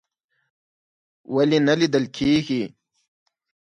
ولې نه لیدل کیږي؟